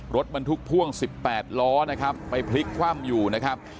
รถบรรทุกพ่วง๑๘ล้อนะครับไปพลิกคว่ำอยู่นะครับ